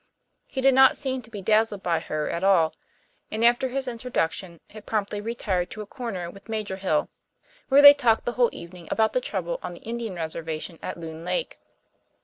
He did not seem to be dazzled by her at all, and after his introduction had promptly retired to a corner with Major Hill, where they talked the whole evening about the trouble on the Indian reservation at Loon Lake.